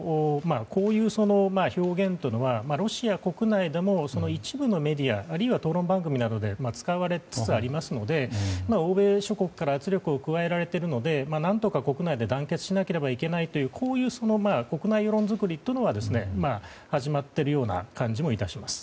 こういう表現というのはロシア国内でも一部のメディアあるいは討論番組で使われつつありますので欧米諸国から圧力を加えられているので何とか国内で団結しなければいけないというこういう国内世論作りが始まっているような感じもします。